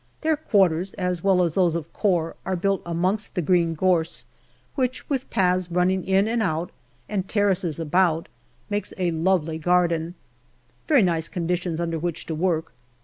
Their quarters, as well as those of Corps, are built amongst the green gorse, which, with paths running in and out and terraces about, makes a lovely garden. Very nice conditions under which to work.